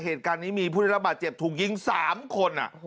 เหตุการณ์นี้มีผู้ได้รับบาดเจ็บถูกยิง๓คน